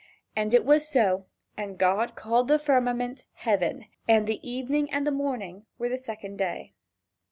And it was so, and God called the firmament heaven. And the evening and the morning were the second day."